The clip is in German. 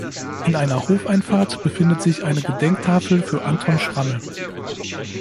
In einer Hofeinfahrt befindet sich eine Gedenktafel für Anton Schrammel.